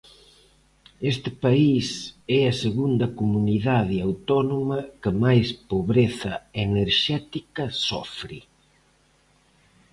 Este país é a segunda comunidade autónoma que máis pobreza enerxética sofre.